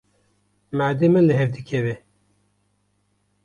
Madê min li hev dikeve.